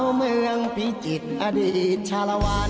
เมืองพิจิตรอดีตชาลวาน